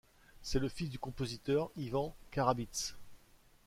C'est le fils du compositeur Ivan Karabyts.